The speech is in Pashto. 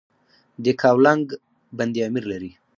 د یکاولنګ بند امیر لري